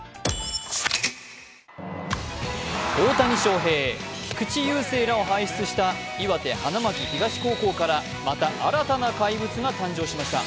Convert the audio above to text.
大谷翔平、菊池雄星らを輩出した岩手花巻東高校からまた新たな怪物が登場しました。